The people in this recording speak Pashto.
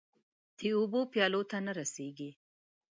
د اوبو پیالو ته نه رسيږې